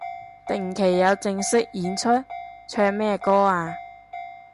定期有正式演出？唱咩歌啊